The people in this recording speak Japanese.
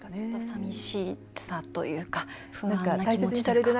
さみしさというか不安な気持ちというか。